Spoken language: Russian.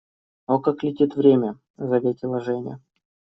«О, как летит время!», - заметила Женя.